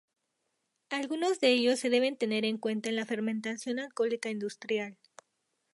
Algunos de ellos se deben tener en cuenta en la fermentación alcohólica industrial.